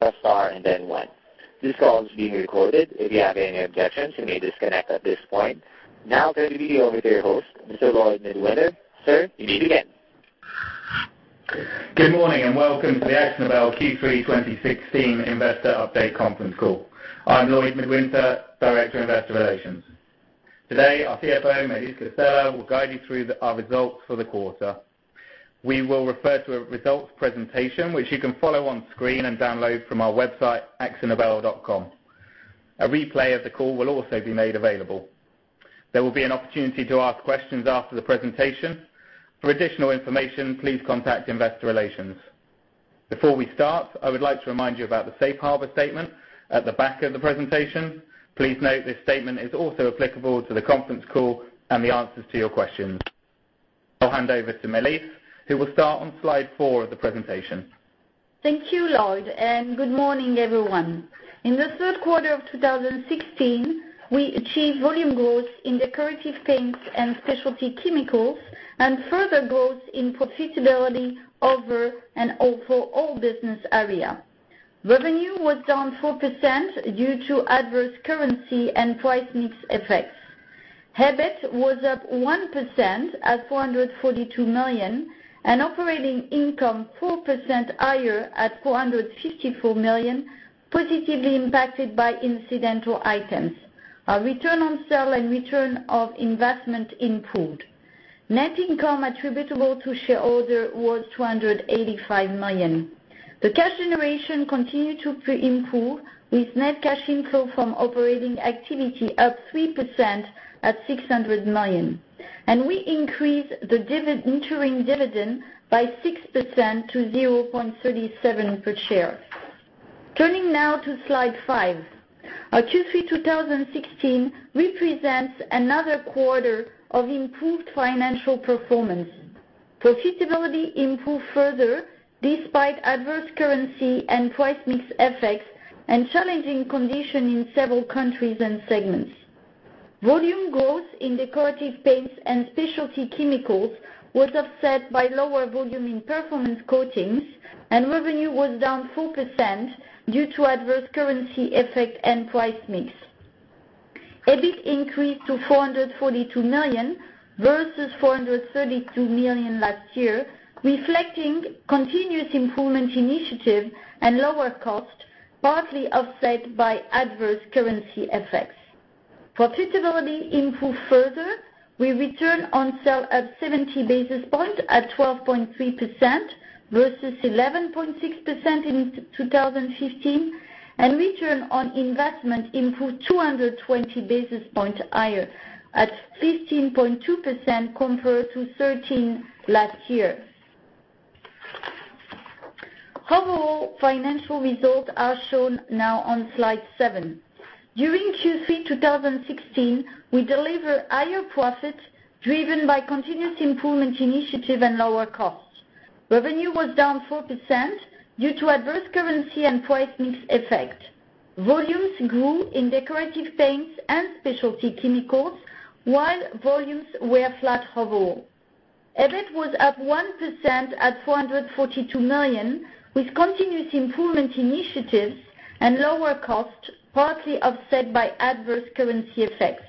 Press star and then one. This call is being recorded. If you have any objections, you may disconnect at this point. I turn the meeting over to your host, Mr. Lloyd Midwinter. Sir, you may begin. Good morning and welcome to the Akzo Nobel Q3 2016 Investor Update Conference Call. I'm Lloyd Midwinter, Director of Investor Relations. Today, our CFO, Maëlys Castella, will guide you through our results for the quarter. We will refer to a results presentation, which you can follow on screen and download from our website, akzonobel.com. A replay of the call will also be made available. There will be an opportunity to ask questions after the presentation. For additional information, please contact investor relations. Before we start, I would like to remind you about the safe harbor statement at the back of the presentation. Please note this statement is also applicable to the conference call and the answers to your questions. I'll hand over to Maëlys, who will start on slide four of the presentation. Thank you, Lloyd. Good morning, everyone. In the third quarter of 2016, we achieved volume growth in Decorative Paints and Specialty Chemicals, further growth in profitability over and for all business areas. Revenue was down 4% due to adverse currency and price mix effects. EBIT was up 1% at 442 million, operating income 4% higher at 454 million, positively impacted by incidental items. Our return on sale and return of investment improved. Net income attributable to shareholders was 285 million. The cash generation continued to improve, with net cash inflow from operating activity up 3% at 600 million. We increased the interim dividend by 6% to 0.37 per share. Turning now to slide five. Our Q3 2016 represents another quarter of improved financial performance. Profitability improved further despite adverse currency and price mix effects and challenging conditions in several countries and segments. Volume growth in Decorative Paints and Specialty Chemicals was offset by lower volume in Performance Coatings, revenue was down 4% due to adverse currency effect and price mix. EBIT increased to 442 million versus 432 million last year, reflecting continuous improvement initiatives and lower costs, partly offset by adverse currency effects. Profitability improved further with return on sale up 70 basis points at 12.3% versus 11.6% in 2015, return on investment improved 220 basis points higher at 15.2% compared to 13% last year. Overall financial results are shown now on slide seven. During Q3 2016, we delivered higher profit driven by continuous improvement initiatives and lower costs. Revenue was down 4% due to adverse currency and price mix effect. Volumes grew in Decorative Paints and Specialty Chemicals, while volumes were flat overall. EBIT was up 1% at 442 million, with continuous improvement initiatives and lower costs partly offset by adverse currency effects.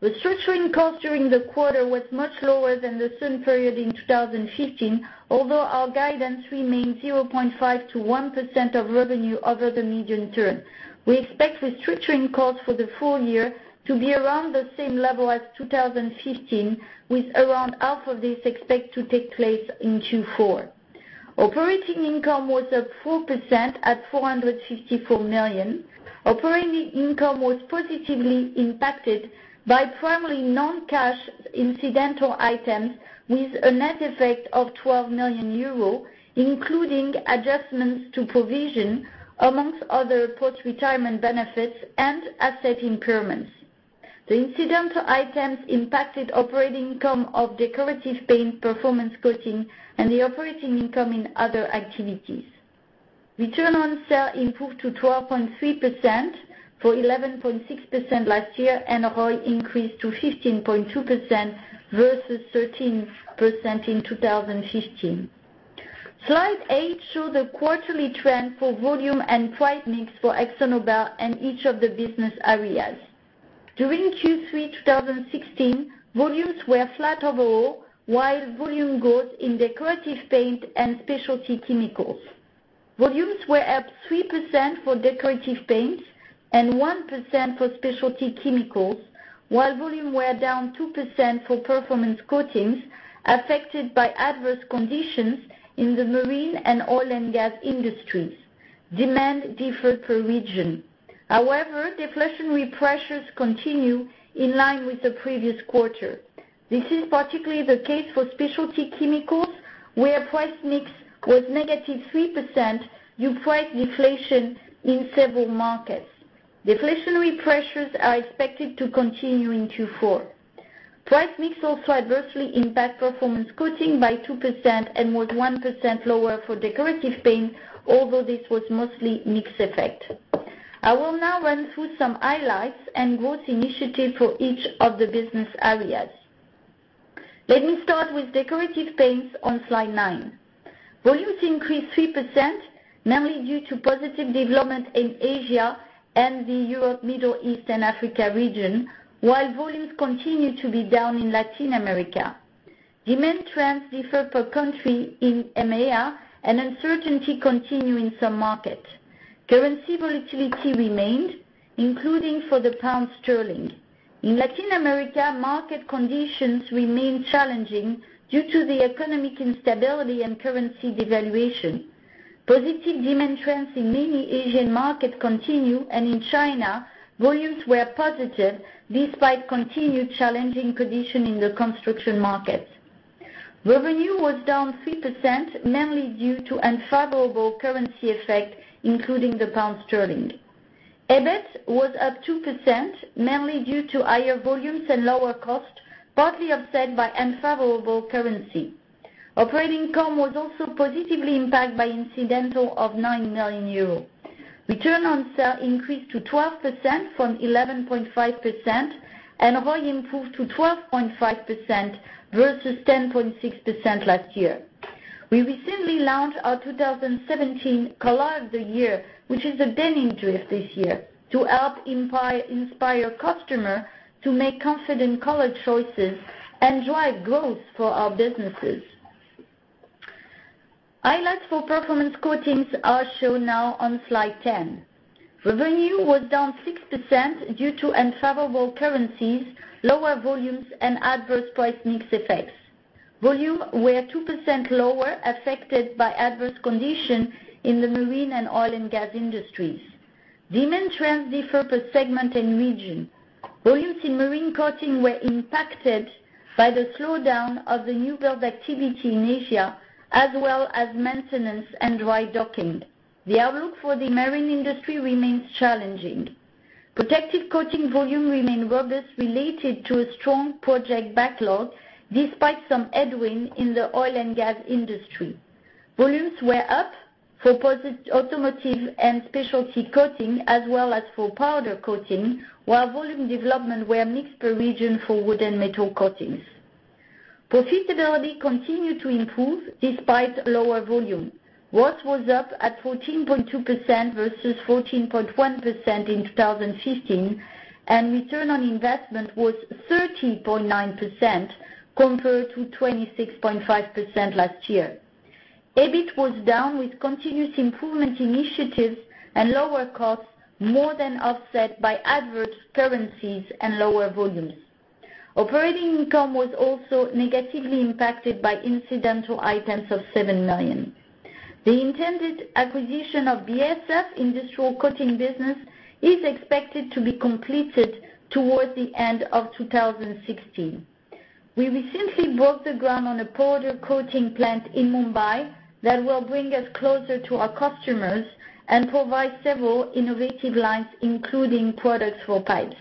Restructuring costs during the quarter was much lower than the same period in 2015, although our guidance remains 0.5%-1% of revenue over the medium term. We expect restructuring costs for the full year to be around the same level as 2015, with around half of this expected to take place in Q4. Operating income was up 4% at 454 million. Operating income was positively impacted by primarily non-cash incidental items, with a net effect of 12 million euros, including adjustments to provision, amongst other post-retirement benefits and asset impairments. The incidental items impacted operating income of Decorative Paints, Performance Coatings, and the operating income in other activities. Return on Sales improved to 12.3% from 11.6% last year, and ROI increased to 15.2% versus 13% in 2015. Slide eight shows the quarterly trend for volume and price mix for Akzo Nobel and each of the business areas. During Q3 2016, volumes were flat overall, while volume growth in Decorative Paints and Specialty Chemicals. Volumes were up 3% for Decorative Paints and 1% for Specialty Chemicals, while volumes were down 2% for Performance Coatings, affected by adverse conditions in the marine and oil and gas industries. Demand differed per region. Deflationary pressures continue in line with the previous quarter. This is particularly the case for Specialty Chemicals, where price mix was negative 3% due to price deflation in several markets. Deflationary pressures are expected to continue in Q4. Price mix also adversely impacted Performance Coatings by 2% and was 1% lower for Decorative Paints, although this was mostly mix effect. I will now run through some highlights and growth initiatives for each of the business areas. Let me start with Decorative Paints on slide nine. Volumes increased 3%, mainly due to positive development in Asia and the Europe, Middle East, and Africa region, while volumes continue to be down in Latin America. Demand trends differ per country in EMEA, and uncertainty continues in some market. Currency volatility remained, including for the pound sterling. In Latin America, market conditions remain challenging due to the economic instability and currency devaluation. Positive demand trends in many Asian markets continue, and in China, volumes were positive despite continued challenging condition in the construction markets. Revenue was down 3%, mainly due to unfavorable currency effect, including the pound sterling. EBIT was up 2%, mainly due to higher volumes and lower cost, partly offset by unfavorable currency. Operating income was also positively impacted by incidental items of 9 million euros. Return on Sales increased to 12% from 11.5%, and ROI improved to 12.5% versus 10.6% last year. We recently launched our 2017 Colour of the Year, which is a Denim Drift this year, to help inspire customers to make confident color choices and drive growth for our businesses. Highlights for Performance Coatings are shown now on slide 10. Revenue was down 6% due to unfavorable currencies, lower volumes, and adverse price mix effects. Volumes were 2% lower, affected by adverse condition in the marine and oil and gas industries. Demand trends differ per segment and region. Volumes in Marine Coatings were impacted by the slowdown of the newbuild activity in Asia, as well as maintenance and dry docking. The outlook for the marine industry remains challenging. Protective Coatings volume remained robust related to a strong project backlog, despite some headwind in the oil and gas industry. Volumes were up for Automotive Coatings and Specialty Coatings, as well as for Powder Coatings, while volume development were mixed per region for wood and metal coatings. Profitability continued to improve despite lower volume. ROS was up at 14.2% versus 14.1% in 2015, and return on investment was 30.9% compared to 26.5% last year. EBIT was down with continuous improvement initiatives and lower costs more than offset by adverse currencies and lower volumes. Operating income was also negatively impacted by incidental items of 7 million. The intended acquisition of BASF industrial coatings business is expected to be completed towards the end of 2016. We recently broke the ground on a Powder Coatings plant in Mumbai that will bring us closer to our customers and provide several innovative lines, including products for pipes.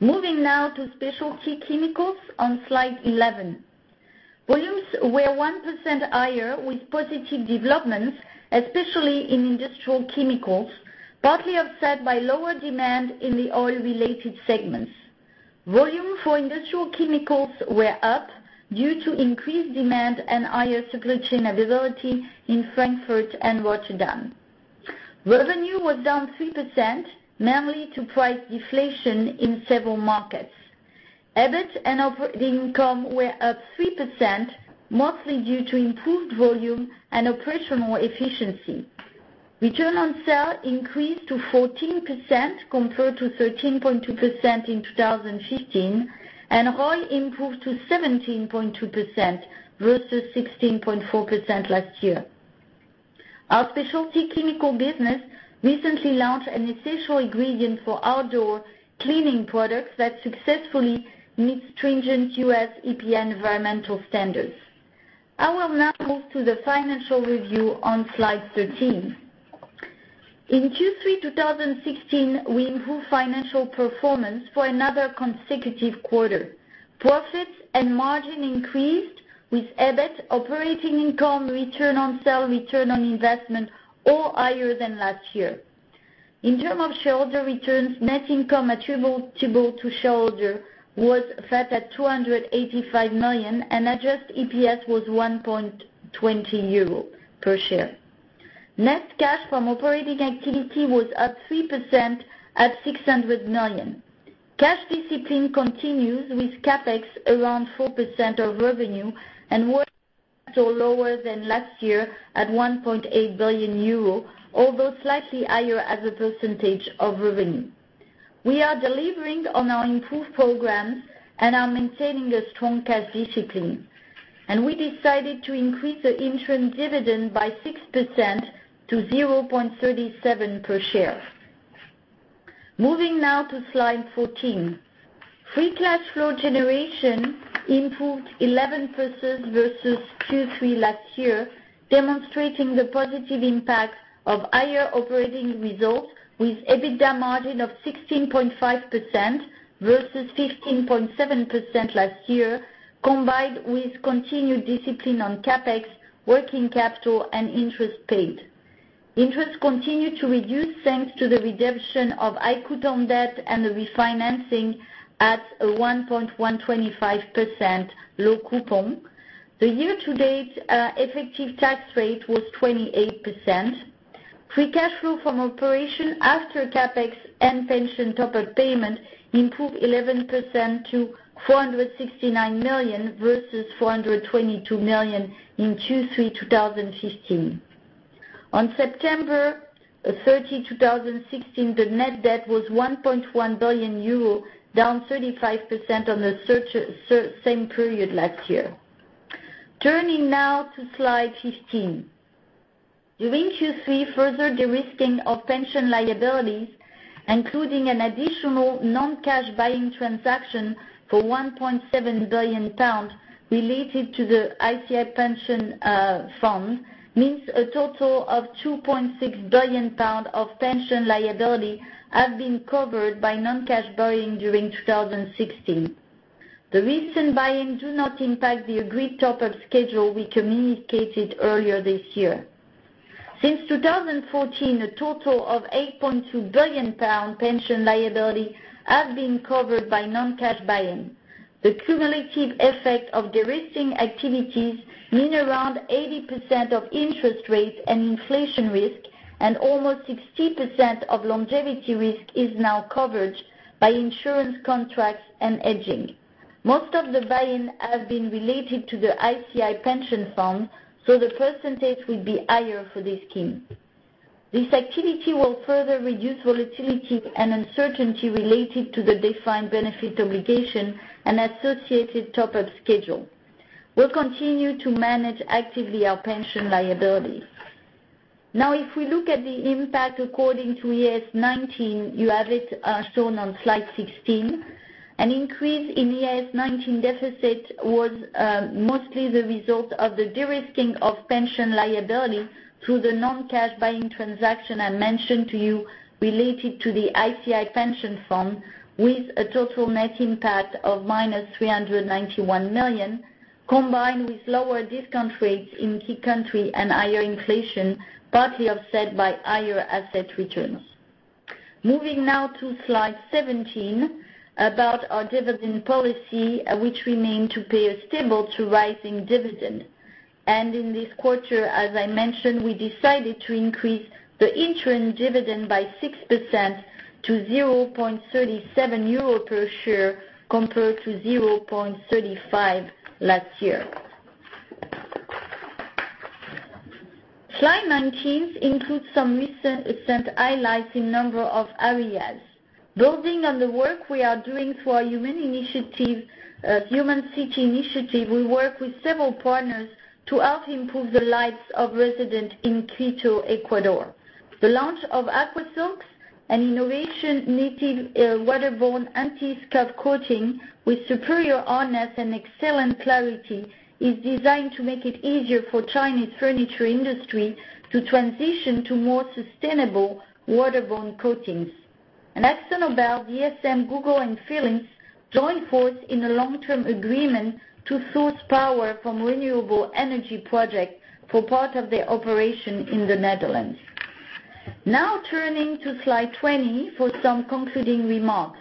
Moving now to Specialty Chemicals on slide 11. Volumes were 1% higher with positive developments, especially in industrial chemicals, partly offset by lower demand in the oil-related segments. Volume for industrial chemicals were up due to increased demand and higher supply chain availability in Frankfurt and Rotterdam. Revenue was down 3%, mainly to price deflation in several markets. EBIT and operating income were up 3%, mostly due to improved volume and operational efficiency. Return on Sales increased to 14% compared to 13.2% in 2015, and ROI improved to 17.2% versus 16.4% last year. Our Specialty Chemicals business recently launched an essential ingredient for outdoor cleaning products that successfully meet stringent US EPA environmental standards. I will now move to the financial review on slide 13. In Q3 2016, we improved financial performance for another consecutive quarter. Profits and margin increased with EBIT, operating income, Return on Sales, Return on Investment, all higher than last year. In terms of shareholder returns, net income attributable to shareholders was flat at 285 million, and adjusted EPS was 1.20 euro per share. Net cash from operating activity was up 3% at 600 million. Cash discipline continues with CapEx around 4% of revenue and working cashflow lower than last year at 1.8 billion euro, although slightly higher as a percentage of revenue. We are delivering on our improved programs and are maintaining a strong cash discipline, and we decided to increase the interim dividend by 6% to 0.37 per share. Moving now to slide 14. Free cash flow generation improved 11% versus Q3 last year, demonstrating the positive impact of higher operating results with EBITDA margin of 16.5% versus 15.7% last year, combined with continued discipline on CapEx, working capital, and interest paid. Interest continued to reduce thanks to the redemption of ICI ten debt and the refinancing at a 1.125% low coupon. The year-to-date effective tax rate was 28%. Free cash flow from operation after CapEx and pension top-up payment improved 11% to 469 million versus 422 million in Q3 2015. On September 30, 2016, the net debt was 1.1 billion euro, down 35% on the same period last year. Turning now to slide 15. During Q3, further de-risking of pension liabilities, including an additional non-cash buy-in transaction for 1.7 billion pounds related to the ICI Pension Fund, means a total of 2.6 billion pounds of pension liability have been covered by non-cash buy-in during 2016. The recent buy-in do not impact the agreed top-up schedule we communicated earlier this year. Since 2014, a total of 8.2 billion pound pension liability has been covered by non-cash buy-in. The cumulative effect of de-risking activities mean around 80% of interest rates and inflation risk and almost 60% of longevity risk is now covered by insurance contracts and hedging. Most of the buy-in has been related to the ICI Pension Fund, so the percentage will be higher for this scheme. This activity will further reduce volatility and uncertainty related to the defined benefit obligation and associated top-up schedule. We'll continue to manage actively our pension liability. If we look at the impact according to IAS 19, you have it shown on slide 16. An increase in IAS 19 deficit was mostly the result of the de-risking of pension liability through the non-cash buy-in transaction I mentioned to you related to the ICI Pension Fund with a total net impact of minus 391 million, combined with lower discount rates in key country and higher inflation, partly offset by higher asset returns. Moving now to slide 17 about our dividend policy, which we mean to pay a stable to rising dividend. In this quarter, as I mentioned, we decided to increase the interim dividend by 6% to 0.37 euro per share compared to 0.35 last year. Slide 19 includes some recent events highlighting number of areas. Building on the work we are doing through our Human Cities initiative, we work with several partners to help improve the lives of residents in Quito, Ecuador. The launch of Aquasilk, an innovation knitted waterborne anti-scuff coating with superior hardness and excellent clarity, is designed to make it easier for Chinese furniture industry to transition to more sustainable waterborne coatings. Akzo Nobel, DSM, Google, and Philips joined force in a long-term agreement to source power from renewable energy project for part of their operation in the Netherlands. Turning to slide 20 for some concluding remarks.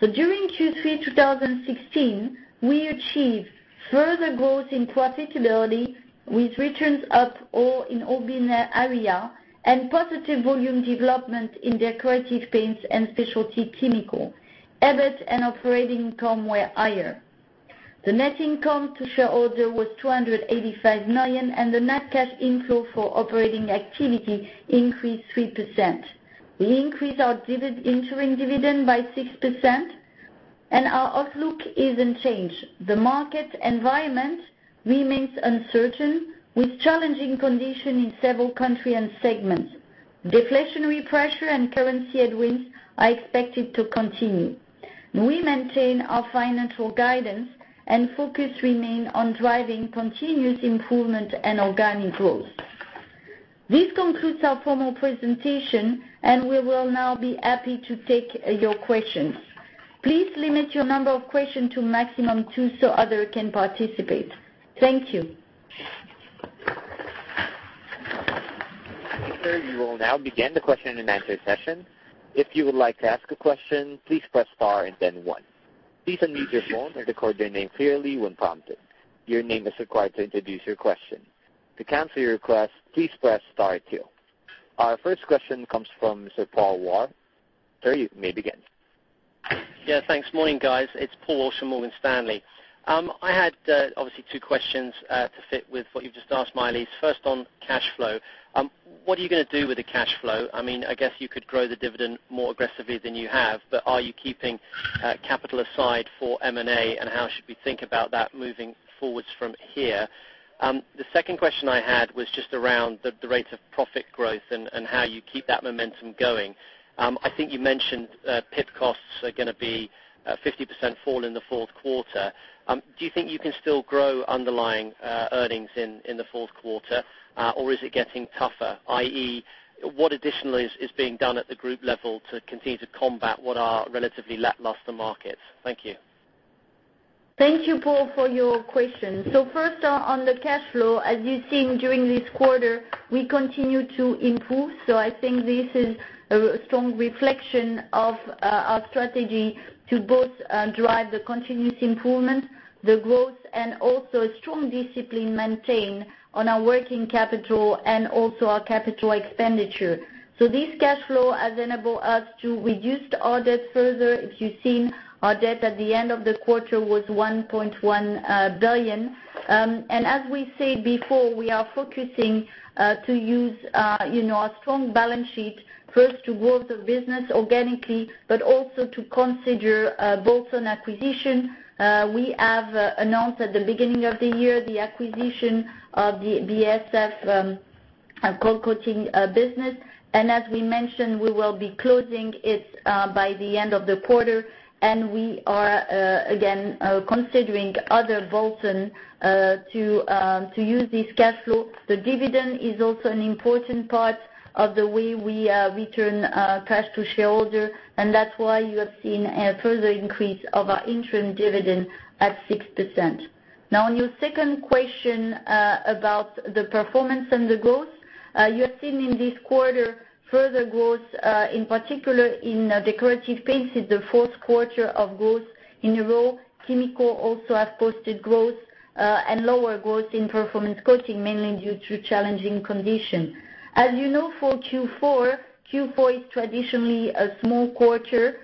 During Q3 2016, we achieved further growth in profitability with returns up in all business area and positive volume development in Decorative Paints and Specialty Chemicals. EBIT and operating income were higher. The net income to shareholder was 285 million, and the net cash inflow for operating activity increased 3%. We increased our interim dividend by 6%, and our outlook is unchanged. The market environment remains uncertain, with challenging condition in several country and segments. Deflationary pressure and currency headwinds are expected to continue. We maintain our financial guidance and focus remain on driving continuous improvement and organic growth. This concludes our formal presentation, and we will now be happy to take your questions. Please limit your number of question to maximum two so others can participate. Thank you. We will now begin the question and answer session. If you would like to ask a question, please press star and then one. Please unmute your phone and record your name clearly when prompted. Your name is required to introduce your question. To cancel your request, please press star two. Our first question comes from Sir Paul Walsh. Sir, you may begin. Yeah, thanks. Morning, guys. It's Paul Walsh from Morgan Stanley. I had obviously two questions to fit with what you've just asked, Maëlys. First, on cash flow. What are you going to do with the cash flow? I guess you could grow the dividend more aggressively than you have, but are you keeping capital aside for M&A, and how should we think about that moving forwards from here? The second question I had was just around the rate of profit growth and how you keep that momentum going. I think you mentioned PIP costs are going to be a 50% fall in the fourth quarter. Do you think you can still grow underlying earnings in the fourth quarter? Or is it getting tougher, i.e., what additionally is being done at the group level to continue to combat what are relatively lackluster markets? Thank you. Thank you, Paul, for your question. First on the cash flow, as you've seen during this quarter, we continue to improve. This is a strong reflection of our strategy to both drive the continuous improvement, the growth, and also strong discipline maintained on our working capital and also our capital expenditure. This cash flow has enabled us to reduce the debt further. If you've seen our debt at the end of the quarter was 1.1 billion. As we said before, we are focusing to use our strong balance sheet first to grow the business organically, but also to consider bolt-on acquisition. We have announced at the beginning of the year the acquisition of the BASF coatings business. As we mentioned, we will be closing it by the end of the quarter, and we are again, considering other bolt-on to use this cash flow. The dividend is also an important part of the way we return cash to shareholders, and that's why you have seen a further increase of our interim dividend at 6%. On your second question about the performance and the growth. You have seen in this quarter further growth, in particular in Decorative Paints, the fourth quarter of growth in a row. Chemical also has posted growth and lower growth in Performance Coatings, mainly due to challenging conditions. As you know, for Q4 is traditionally a small quarter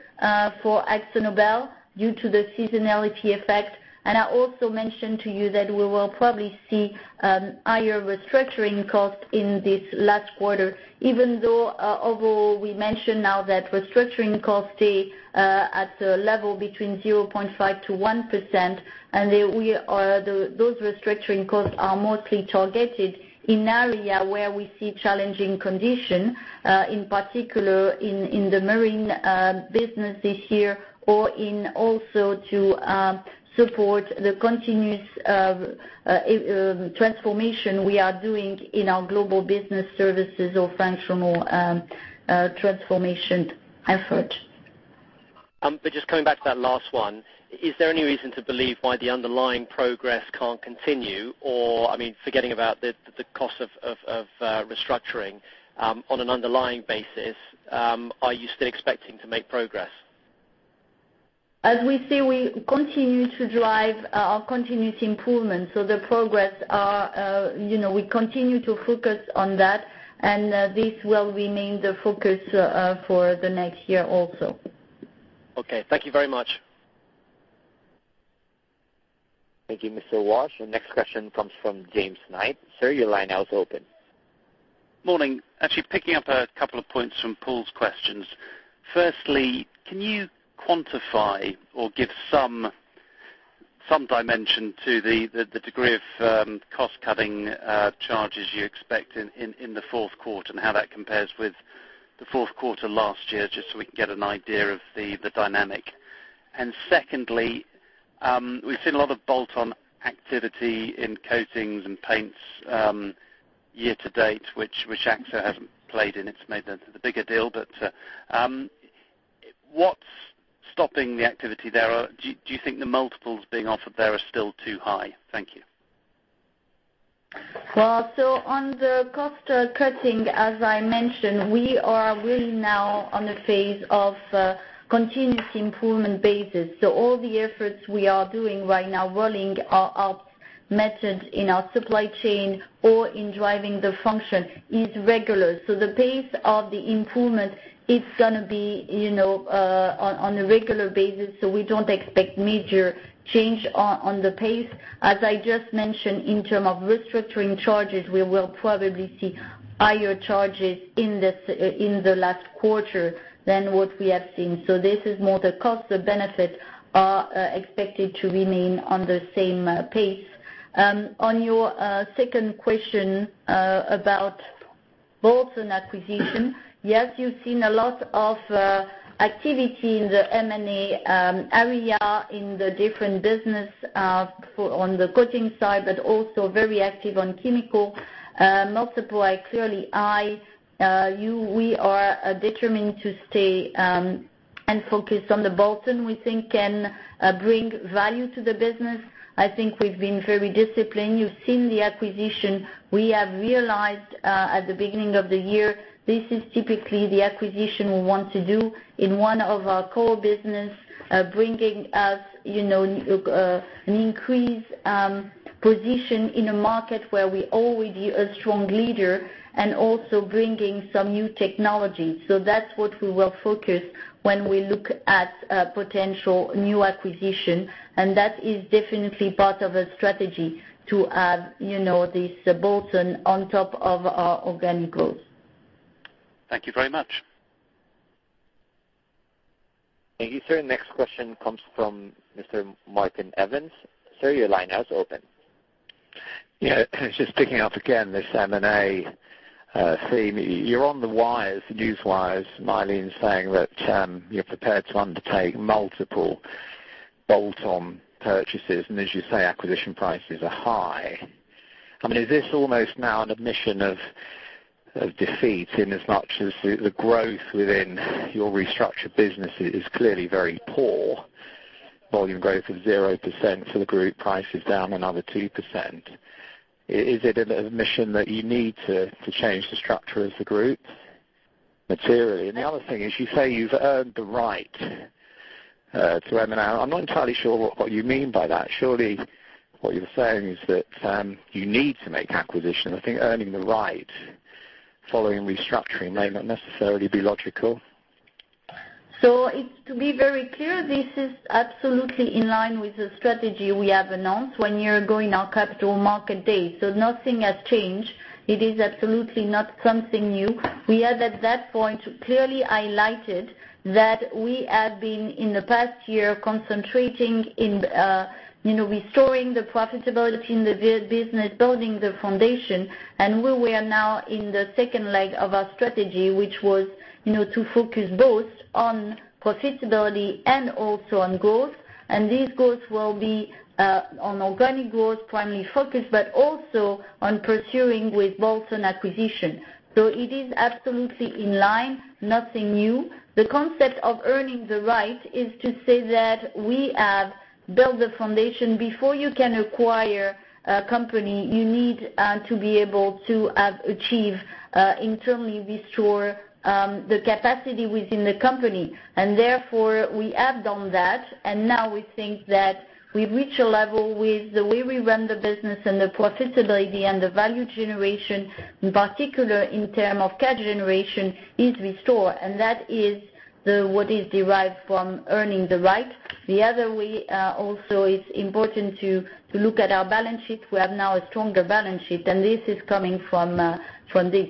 for Akzo Nobel due to the seasonality effect. I also mentioned to you that we will probably see higher restructuring costs in this last quarter, even though overall we mentioned now that restructuring costs stay at a level between 0.5%-1% and those restructuring costs are mostly targeted in area where we see challenging condition, in particular in the Marine Coatings business this year or in also to support the continuous transformation we are doing in our global business services or functional transformation effort. Just coming back to that last one, is there any reason to believe why the underlying progress can't continue? Forgetting about the cost of restructuring, on an underlying basis, are you still expecting to make progress? As we say, we continue to drive our continuous improvement. The progress, we continue to focus on that, and this will remain the focus for the next year also. Okay. Thank you very much. Thank you, Mr. Walsh. The next question comes from James Knight. Sir, your line now is open. Morning. Actually picking up a couple of points from Paul's questions. Firstly, can you quantify or give some dimension to the degree of cost-cutting charges you expect in the fourth quarter, and how that compares with the fourth quarter last year, just so we can get an idea of the dynamic? Secondly, we've seen a lot of bolt-on activity in coatings and paints year-to-date, which Akzo hasn't played in. It's made the bigger deal. What's stopping the activity there? Do you think the multiples being offered there are still too high? Thank you. Well, on the cost cutting, as I mentioned, we are really now on a phase of continuous improvement basis. All the efforts we are doing right now, rolling out methods in our supply chain or in driving the function is regular. The pace of the improvement is going to be on a regular basis. We don't expect major change on the pace. As I just mentioned, in terms of restructuring charges, we will probably see higher charges in the last quarter than what we have seen. This is more the cost, the benefits are expected to remain on the same pace. On your second question about bolts-on acquisition. Yes, you've seen a lot of activity in the M&A area, in the different business on the coating side, but also very active on chemicals. Multiples are clearly high. We are determined to stay and focus on the bolt-on we think can bring value to the business. I think we've been very disciplined. You've seen the acquisition we have realized at the beginning of the year. This is typically the acquisition we want to do in one of our core business, bringing us an increased position in a market where we already a strong leader and also bringing some new technology. That's what we will focus when we look at potential new acquisition, and that is definitely part of a strategy to have this bolt-on, on top of our organic growth. Thank you very much. Thank you, sir. Next question comes from Mr. Marco Evans. Sir, your line now is open. Yeah. Just picking up again this M&A theme. You're on the wires, news wires, Maëlys, saying that you're prepared to undertake multiple bolt-on purchases. As you say, acquisition prices are high. Is this almost now an admission of defeat in as much as the growth within your restructured business is clearly very poor. Volume growth of 0% for the group, price is down another 2%. Is it an admission that you need to change the structure of the group materially? The other thing is, you say you've earned the right to M&A. I'm not entirely sure what you mean by that. Surely what you're saying is that you need to make acquisitions. I think earning the right following restructuring may not necessarily be logical. To be very clear, this is absolutely in line with the strategy we have announced one year ago in our capital market day. Nothing has changed. It is absolutely not something new. We had, at that point, clearly highlighted that we had been, in the past year, concentrating in restoring the profitability in the business, building the foundation, and we were now in the second leg of our strategy, which was to focus both on profitability and also on growth. These goals will be on organic growth, primarily focused, but also on pursuing with bolts-on acquisition. It is absolutely in line, nothing new. The concept of earning the right is to say that we have built the foundation. Before you can acquire a company, you need to be able to achieve internally restore the capacity within the company. Therefore, we have done that, and now we think that we've reached a level with the way we run the business and the profitability and the value generation, in particular in terms of cash generation, is restored. That is what is derived from earning the right. The other way also is important to look at our balance sheet. We have now a stronger balance sheet, and this is coming from this.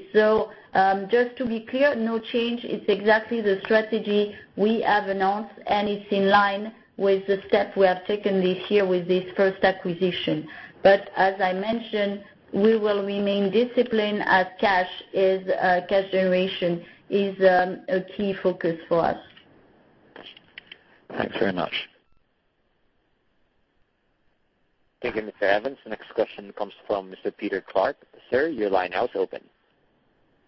Just to be clear, no change. It's exactly the strategy we have announced, and it's in line with the step we have taken this year with this first acquisition. As I mentioned, we will remain disciplined as cash generation is a key focus for us. Thanks very much. Thank you, Mr. Marco Evans. The next question comes from Mr. Peter Clark. Sir, your line now is open.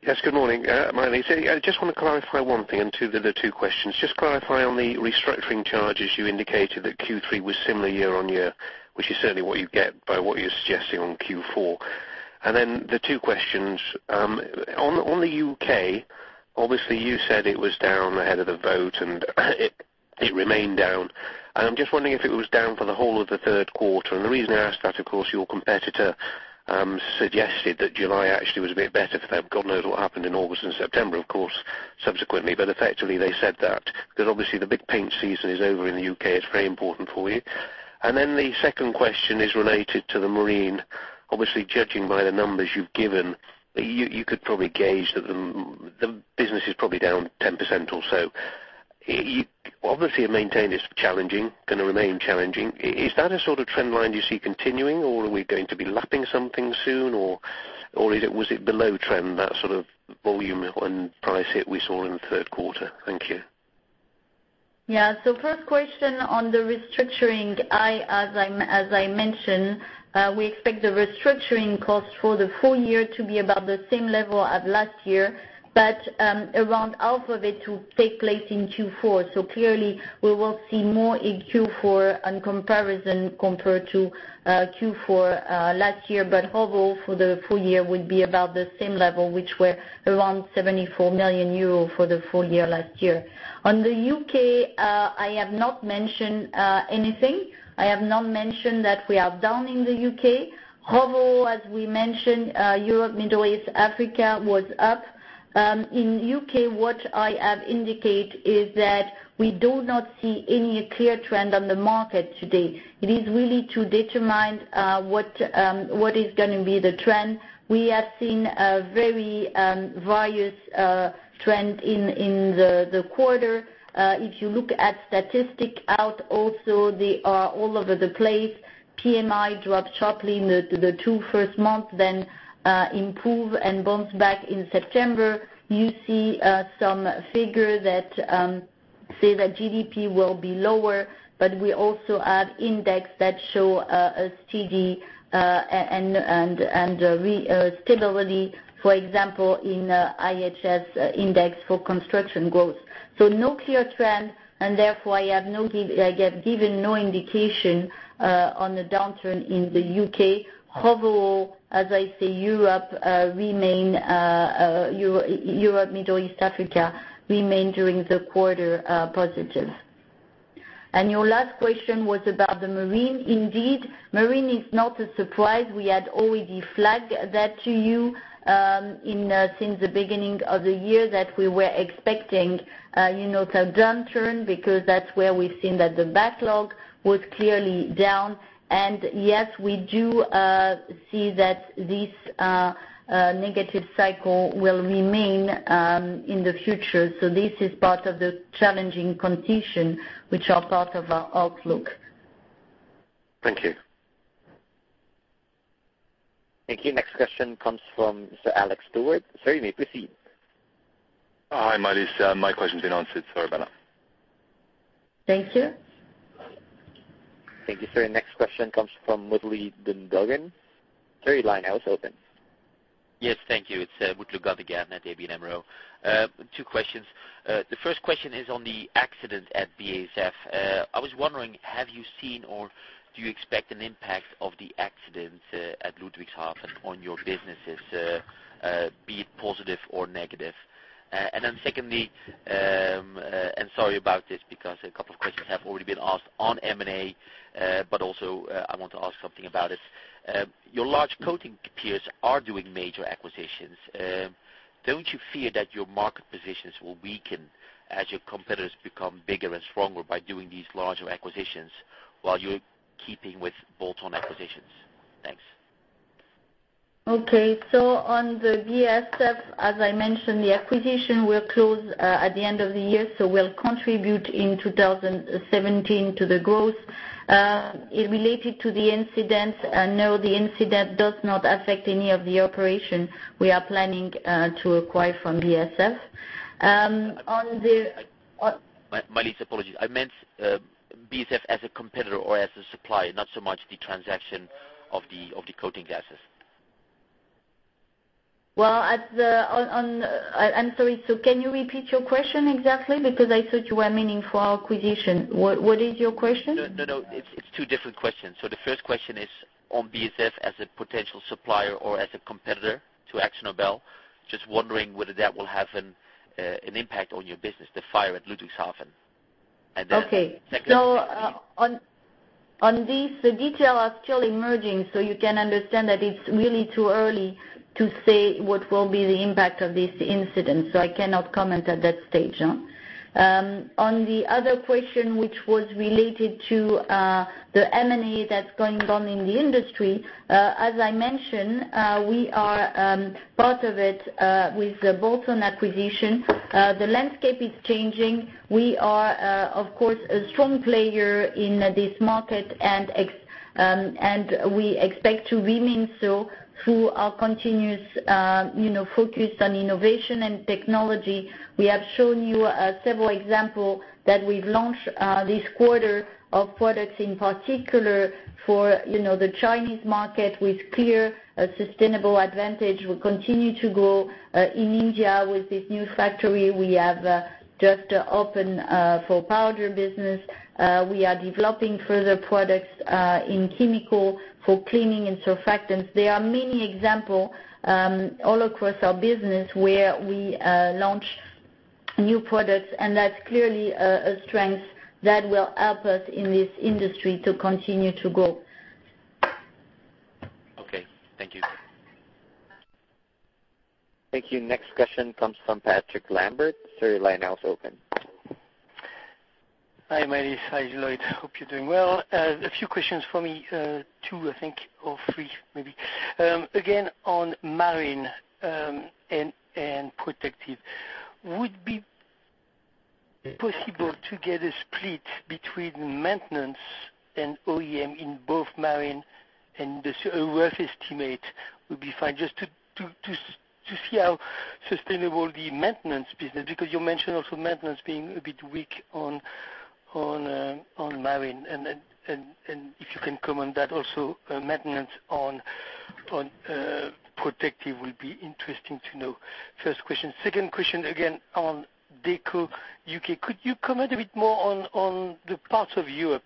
Yes, good morning. I just want to clarify one thing and two other questions. Just clarify on the restructuring charges, you indicated that Q3 was similar year-over-year, which is certainly what you get by what you're suggesting on Q4. Then the two questions. On the U.K., obviously, you said it was down ahead of the vote, and it remained down. I'm just wondering if it was down for the whole of the third quarter. The reason I ask that, of course, your competitor suggested that July actually was a bit better for them. God knows what happened in August and September, of course, subsequently. Effectively, they said that because obviously the big paint season is over in the U.K., it's very important for you. Then the second question is related to the Marine Coatings. Obviously, judging by the numbers you've given, you could probably gauge that the business is probably down 10% or so. Obviously, you maintain it's challenging, going to remain challenging. Is that a sort of trend line you see continuing, or are we going to be lapping something soon, or was it below trend, that sort of volume and price hit we saw in the third quarter? Thank you. Yeah. First question on the restructuring. As I mentioned, we expect the restructuring cost for the full year to be about the same level as last year, but around half of it to take place in Q4. Clearly we will see more in Q4 in comparison compared to Q4 last year, but overall for the full year would be about the same level, which were around 74 million euros for the full year last year. On the U.K., I have not mentioned anything. I have not mentioned that we are down in the U.K. Overall, as we mentioned, Europe, Middle East, Africa was up. In U.K., what I have indicate is that we do not see any clear trend on the market today. It is really too determined what is going to be the trend. We have seen a very various trend in the quarter. If you look at statistic out also, they are all over the place. PMI dropped sharply in the two first month, then improve and bounce back in September. You see some figures that say that GDP will be lower, but we also have index that show a steady and stability, for example, in IHS index for construction growth. No clear trend, and therefore I have given no indication on the downturn in the U.K. Overall, as I say, Europe, Middle East, Africa remained during the quarter positive. Your last question was about the marine. Indeed, marine is not a surprise. We had already flagged that to you since the beginning of the year that we were expecting a downturn because that's where we've seen that the backlog was clearly down. Yes, we do see that this negative cycle will remain in the future. This is part of the challenging condition which are part of our outlook. Thank you. Thank you. Next question comes from Sir Alex Stewart. Sir, you may proceed. Hi, Maëlys. My question's been answered. Sorry about that. Thank you. Thank you, sir. Next question comes from Mutlu Gündoğan. Your line is open. Yes, thank you. It's Mutlu Gündoğan at ABN AMRO. Two questions. The first question is on the accident at BASF. I was wondering, have you seen or do you expect an impact of the accident at Ludwigshafen on your businesses, be it positive or negative? Secondly, sorry about this because a couple of questions have already been asked on M&A, but also I want to ask something about it. Your large coating peers are doing major acquisitions. Don't you fear that your market positions will weaken as your competitors become bigger and stronger by doing these larger acquisitions while you're keeping with bolt-on acquisitions? Thanks. Okay. On the BASF, as I mentioned, the acquisition will close at the end of the year, will contribute in 2017 to the growth. Related to the incident, no, the incident does not affect any of the operation we are planning to acquire from BASF. Maëlys, apologies. I meant BASF as a competitor or as a supplier, not so much the transaction of the coating assets. I'm sorry, can you repeat your question exactly because I thought you were meaning for our acquisition. What is your question? No, it's two different questions. The first question is on BASF as a potential supplier or as a competitor to Akzo Nobel. Just wondering whether that will have an impact on your business, the fire at Ludwigshafen. Secondly. Okay. On this, the details are still emerging, you can understand that it's really too early to say what will be the impact of this incident. I cannot comment at that stage. On the other question, which was related to the M&A that's going on in the industry, as I mentioned, we are part of it with the BASF acquisition. The landscape is changing. We are, of course, a strong player in this market, and we expect to remain so through our continuous focus on innovation and technology. We have shown you several example that we've launched this quarter of products, in particular for the Chinese market with clear sustainable advantage. We continue to grow in India with this new factory we have just opened for powder business. We are developing further products in chemical for cleaning and surfactants. There are many example all across our business where we launch new products, that's clearly a strength that will help us in this industry to continue to grow. Okay. Thank you. Thank you. Next question comes from Patrick Lambert. Sir, your line is now open. Hi, Maëlys. Hi, Lloyd. Hope you're doing well. A few questions for me, two, I think, or three, maybe. Again, on marine and protective. Would it be possible to get a split between maintenance and OEM in both marine and the rough estimate would be fine, just to see how sustainable the maintenance business. Because you mentioned also maintenance being a bit weak on marine, and if you can comment that also, maintenance on protective will be interesting to know. First question. Second question, again, on Deco U.K. Could you comment a bit more on the parts of Europe,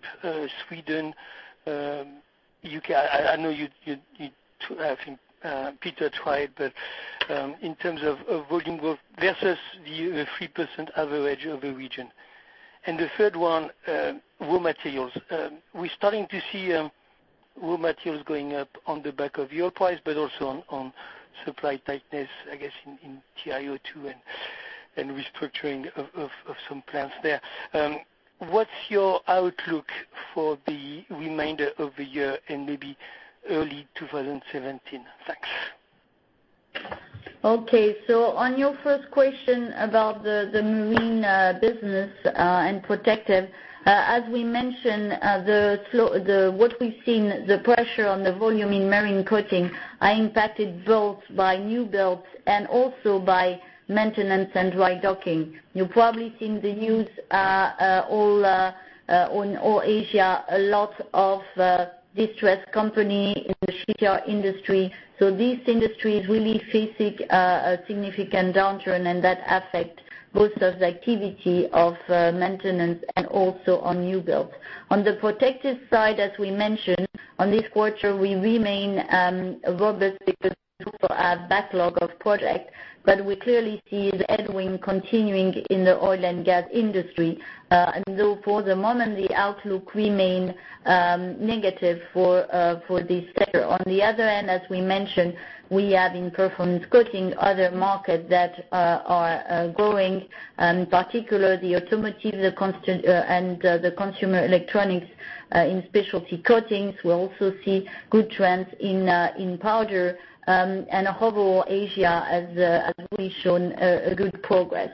Sweden? I know you two have, I think Peter tried, but in terms of volume growth versus the 3% average of the region. The third one, raw materials. We're starting to see raw materials going up on the back of your price, also on supply tightness, I guess, in TiO2 and restructuring of some plants there. What's your outlook for the remainder of the year and maybe early 2017? Thanks. On your first question about the Marine Coatings business and Protective Coatings, as we mentioned, what we've seen, the pressure on the volume in Marine Coatings are impacted both by new builds and also by maintenance and dry docking. You've probably seen the news all on Asia, a lot of distressed companies in the shipyard industry. This industry is really facing a significant downturn, and that affects both of the activity of maintenance and also on new builds. On the Protective Coatings side, as we mentioned, on this quarter, we remain robust because backlog of projects, but we clearly see the headwind continuing in the oil and gas industry. For the moment, the outlook remain negative for this sector. On the other end, as we mentioned, we have in Performance Coatings other markets that are growing, in particular the Automotive Coatings and the consumer electronics in Specialty Coatings. We also see good trends in Powder Coatings and overall Asia has really shown a good progress.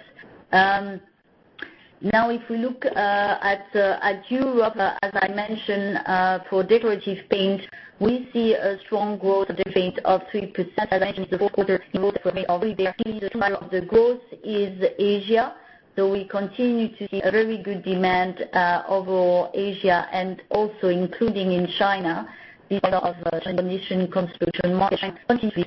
If we look at Europe, as I mentioned for Decorative Paints, we see a strong growth of 3%. As I mentioned the growth quarter for me already there. The growth is Asia. We continue to see a very good demand overall Asia and also including in China because of the Chinese construction market continues.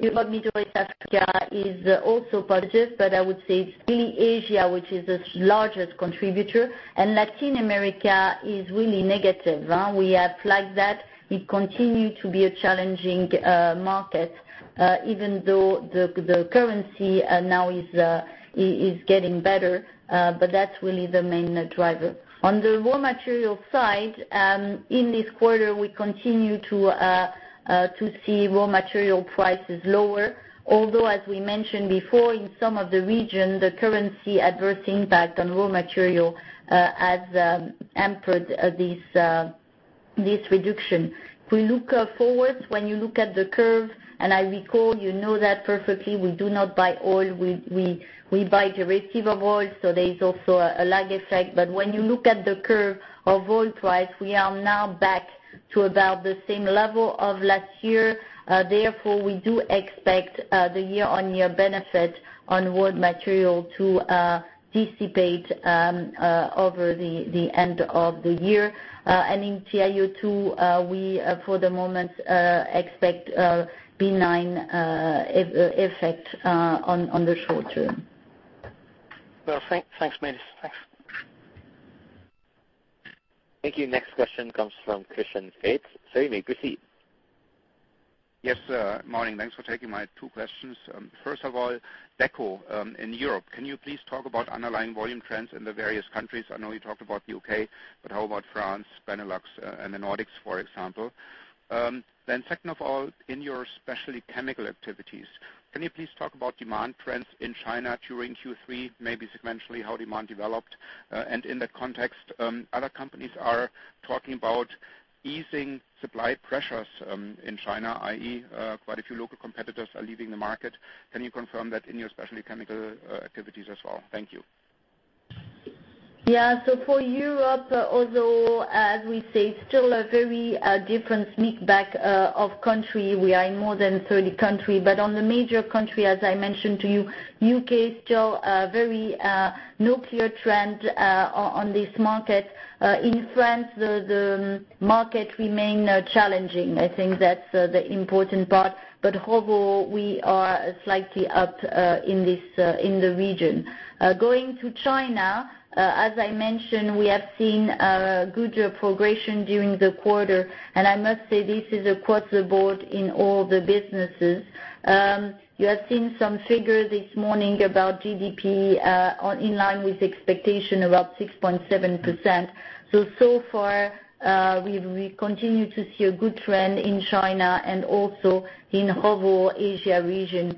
Middle East, Africa are also positive, but I would say it's really Asia which is the largest contributor, and Latin America is really negative. We have flagged that. It continues to be a challenging market, even though the currency now is getting better, but that's really the main driver. On the raw material side, in this quarter, we continue to see raw material prices lower. As we mentioned before, in some of the regions, the currency adverse impact on raw material has hampered this reduction. If we look forward, when you look at the curve, and I recall you know that perfectly, we do not buy oil. We buy derivatives of oil, there is also a lag effect. When you look at the curve of oil price, we are now back to about the same level of last year. Therefore, we do expect the year-on-year benefit on raw material to dissipate over the end of the year. In TiO2, we, for the moment, expect a benign effect on the short term. Thanks, Melise. Thanks. Thank you. Next question comes from Christian Faitz. Sir, you may proceed. Yes, morning. Thanks for taking my two questions. First of all, Deco in Europe. Can you please talk about underlying volume trends in the various countries? I know you talked about the U.K., but how about France, Benelux, and the Nordics, for example? Second of all, in your Specialty Chemicals activities, can you please talk about demand trends in China during Q3, maybe sequentially, how demand developed? In that context, other companies are talking about easing supply pressures, in China, i.e., quite a few local competitors are leaving the market. Can you confirm that in your Specialty Chemicals activities as well? Thank you. For Europe, although, as we say, still a very different sneak back of country, we are in more than 30 country. On the major country, as I mentioned to you, U.K. still a very no clear trend on this market. In France, the market remain challenging. I think that's the important part, overall, we are slightly up in the region. Going to China, as I mentioned, we have seen good progression during the quarter, I must say this is across the board in all the businesses. You have seen some figures this morning about GDP, in line with expectation, about 6.7%. So far, we continue to see a good trend in China also in overall Asia region,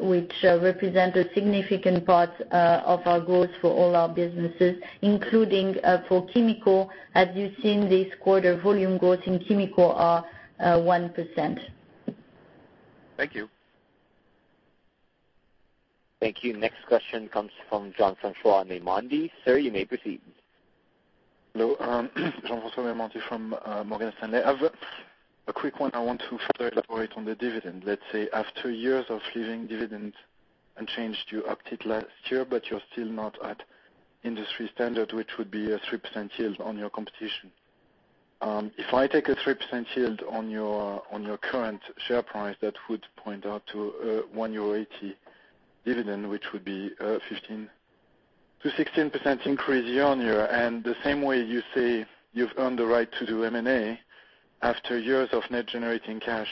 which represent a significant part of our growth for all our businesses, including, for Specialty Chemicals. As you've seen this quarter, volume growth in Specialty Chemicals are 1%. Thank you. Thank you. Next question comes from Jean-Francois Marmonti. Sir, you may proceed. Hello. Jean-Francois Marmonti from Morgan Stanley. I have a quick one I want to further elaborate on the dividend. Let's say after years of leaving dividend unchanged, you upped it last year, but you're still not at industry standard, which would be a 3% yield on your competition. If I take a 3% yield on your current share price, that would point out to 1.80 euro dividend, which would be a 15%-16% increase year on year. The same way you say you've earned the right to do M&A after years of net generating cash,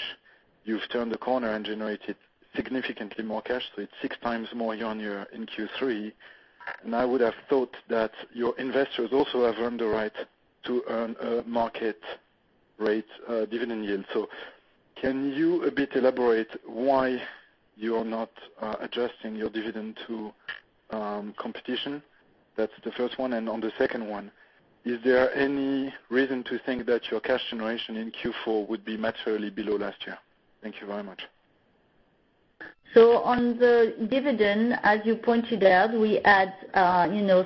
you've turned the corner and generated significantly more cash. It's six times more year on year in Q3. I would have thought that your investors also have earned the right to earn a market rate dividend yield. Can you a bit elaborate why you are not adjusting your dividend to competition? That's the first one. On the second one, is there any reason to think that your cash generation in Q4 would be materially below last year? Thank you very much. On the dividend, as you pointed out, we had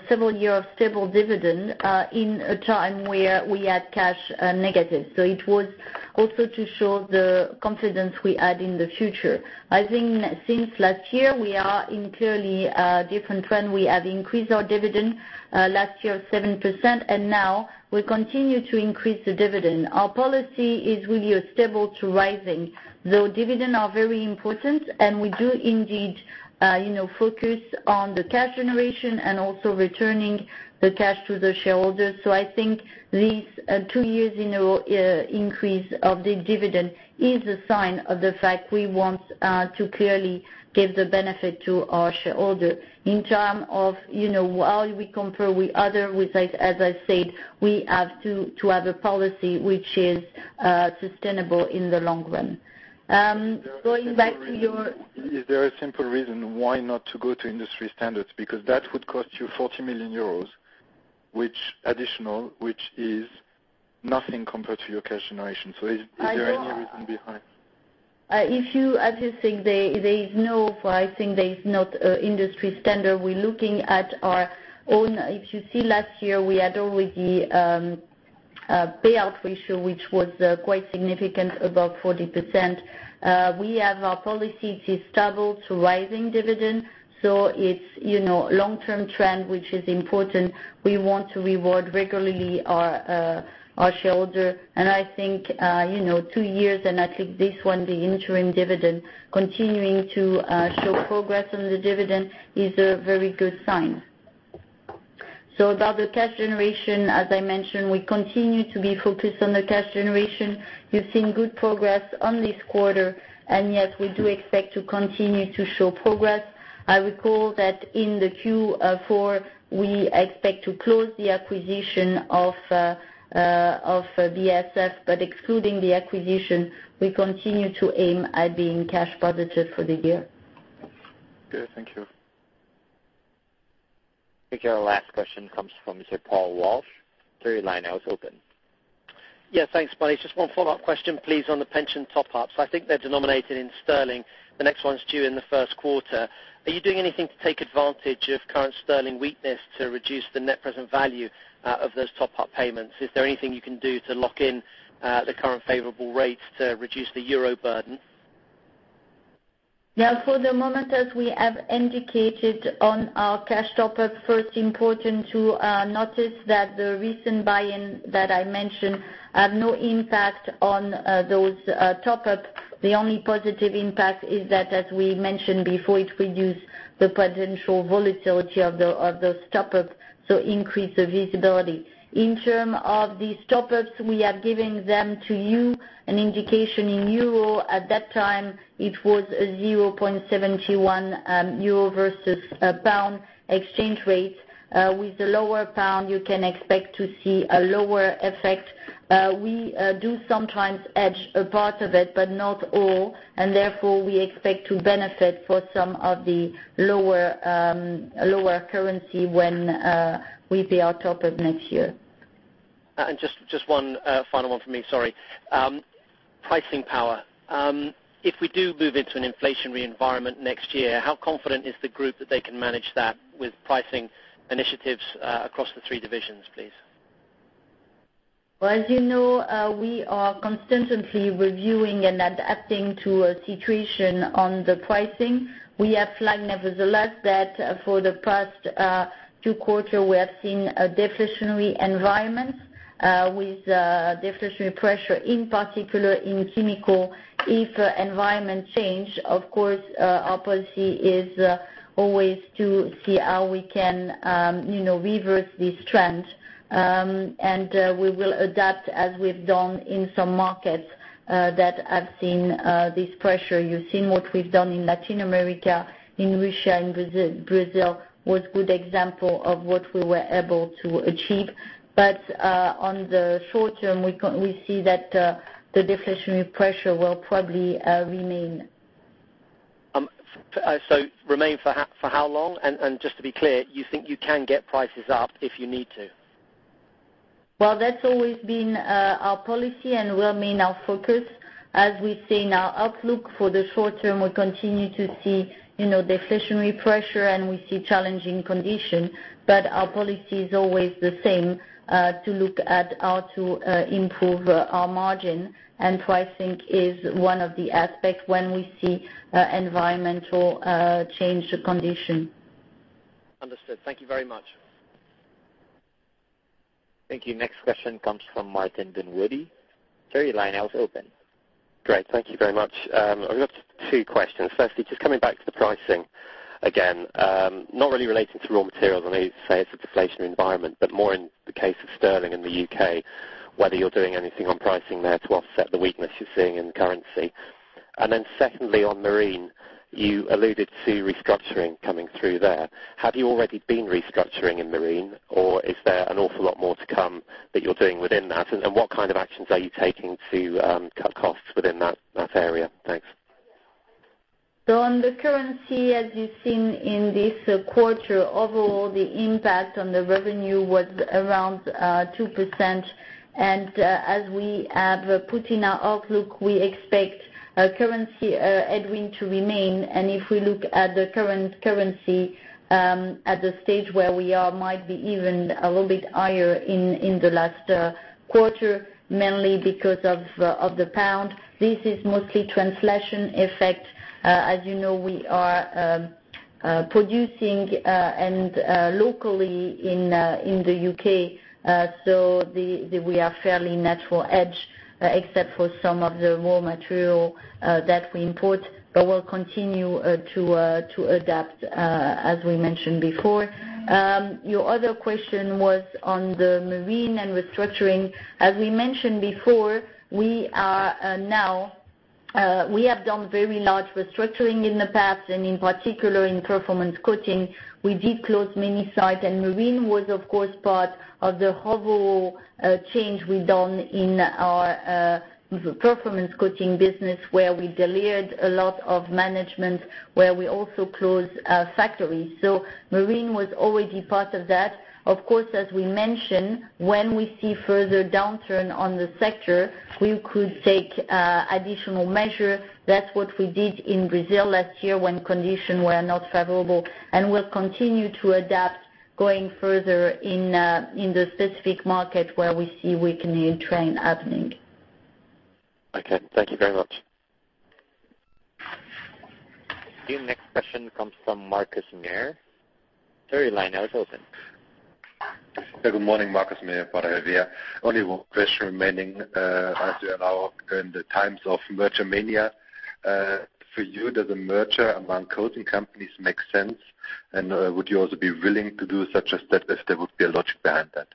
several year of stable dividend, in a time where we had cash negative. It was also to show the confidence we had in the future. I think since last year, we are in clearly a different trend. We have increased our dividend, last year 7%, and now we continue to increase the dividend. Our policy is really a stable to rising, though dividend are very important, and we do indeed focus on the cash generation and also returning the cash to the shareholders. I think these two years increase of the dividend is a sign of the fact we want to clearly give the benefit to our shareholder. In term of how we compare with others, as I said, we have to have a policy which is sustainable in the long run. Is there a simple reason why not to go to industry standards? That would cost you 40 million euros, additional, which is nothing compared to your cash generation. Is there any reason behind? I think there is not industry standard. If you see last year, we had already Payout ratio, which was quite significant, about 40%. We have our policy to stable to rising dividends. It's a long-term trend, which is important. We want to reward regularly our shareholder. I think 2 years, and I think this one, the interim dividend, continuing to show progress on the dividend is a very good sign. About the cash generation, as I mentioned, we continue to be focused on the cash generation. You've seen good progress on this quarter, yes, we do expect to continue to show progress. I recall that in the Q4, we expect to close the acquisition of BASF, excluding the acquisition, we continue to aim at being cash positive for the year. Good. Thank you. Our last question comes from Sir Paul Walsh. Your line now is open. Yeah, thanks, buddy. Just one follow-up question, please, on the pension top-ups. I think they are denominated in sterling. The next one is due in the first quarter. Are you doing anything to take advantage of current sterling weakness to reduce the net present value of those top-up payments? Is there anything you can do to lock in the current favorable rates to reduce the euro burden? Yeah, for the moment, as we have indicated on our cash top-up, first important to notice that the recent buy-in that I mentioned have no impact on those top-up. The only positive impact is that, as we mentioned before, it reduced the potential volatility of those top-up, so increase the visibility. In terms of these top-ups, we are giving them to you an indication in euro. At that time, it was €0.71 versus pound exchange rate. With the lower pound, you can expect to see a lower effect. We do sometimes hedge a part of it, but not all, therefore we expect to benefit for some of the lower currency when we pay our top-up next year. Just one final one from me, sorry. Pricing power. If we do move into an inflationary environment next year, how confident is the group that they can manage that with pricing initiatives across the three divisions, please? Well, as you know, we are constantly reviewing and adapting to a situation on the pricing. We have flagged nevertheless that for the past two quarters, we have seen a deflationary environment with deflationary pressure, in particular in chemical. If environment changes, of course, our policy is always to see how we can reverse this trend. We will adapt as we've done in some markets that have seen this pressure. You've seen what we've done in Latin America, in Russia, in Brazil, was a good example of what we were able to achieve. On the short term, we see that the deflationary pressure will probably remain. Remain for how long? Just to be clear, you think you can get prices up if you need to? Well, that's always been our policy and will remain our focus. As we say in our outlook for the short term, we continue to see deflationary pressure, and we see challenging condition, but our policy is always the same, to look at how to improve our margin. Pricing is one of the aspects when we see environmental change condition. Understood. Thank you very much. Thank you. Next question comes from Martin Dunwoodie. Your line now is open. Great. Thank you very much. I've got two questions. Firstly, just coming back to the pricing again. Not really relating to raw materials, I know you say it's a deflationary environment, but more in the case of GBP in the U.K., whether you're doing anything on pricing there to offset the weakness you're seeing in the currency. Secondly, on Marine Coatings, you alluded to restructuring coming through there. Have you already been restructuring in Marine Coatings, or is there an awful lot more to come that you're doing within that? What kind of actions are you taking to cut costs within that area? Thanks. On the currency, as you've seen in this quarter, overall, the impact on the revenue was around 2%. As we have put in our outlook, we expect currency headwind to remain. If we look at the current currency at the stage where we are might be even a little bit higher in the last quarter, mainly because of the GBP. This is mostly translation effect. As you know, we are producing and locally in the U.K. We are fairly natural hedge, except for some of the raw material that we import, but we'll continue to adapt as we mentioned before. Your other question was on the Marine Coatings and restructuring. As we mentioned before, we have done very large restructuring in the past and in particular in Performance Coatings. We did close many sites, Marine Coatings was of course, part of the whole change we've done in our Performance Coatings business where we delayered a lot of management, where we also closed factories. Marine Coatings was already part of that. Of course, as we mentioned, when we see further downturn on the sector, we could take additional measures. That's what we did in Brazil last year when conditions were not favorable, and we'll continue to adapt going further in the specific market where we see weakening trend happening. Okay. Thank you very much. Your next question comes from Markus Mayer. Sir, your line is open. Good morning, Markus Mayer. Only one question remaining, as we are now in the times of merger mania. For you, does a merger among coating companies make sense? Would you also be willing to do such a step if there would be a logic behind that?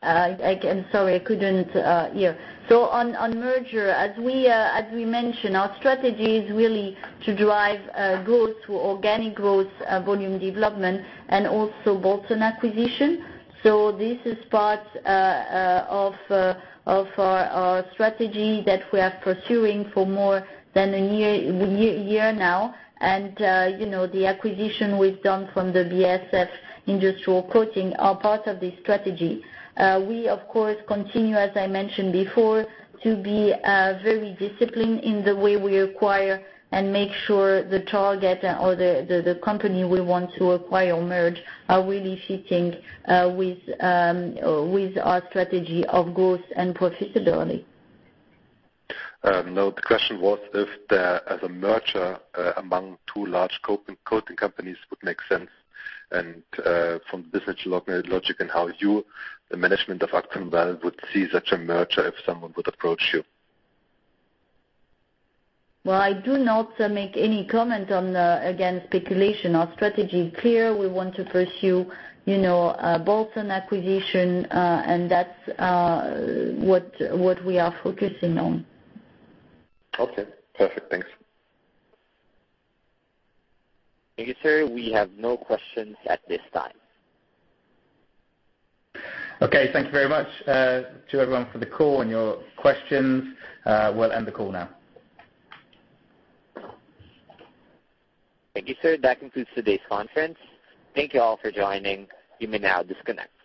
I'm sorry, I couldn't hear. On merger, as we mentioned, our strategy is really to drive growth through organic growth, volume development, and also bolt-on acquisition. This is part of our strategy that we are pursuing for more than a year now. The acquisition we've done from the BASF industrial coatings are part of this strategy. We, of course, continue, as I mentioned before, to be very disciplined in the way we acquire and make sure the target or the company we want to acquire or merge are really fitting with our strategy of growth and profitability. No, the question was if there is a merger among two large coating companies would make sense, from business logic and how you, the management of Akzo Nobel, would see such a merger if someone would approach you. Well, I do not make any comment on, again, speculation. Our strategy is clear. We want to pursue bolt-on acquisition, that's what we are focusing on. Okay, perfect. Thanks. Thank you, sir. We have no questions at this time. Okay, thank you very much to everyone for the call and your questions. We'll end the call now. Thank you, sir. That concludes today's conference. Thank you all for joining. You may now disconnect.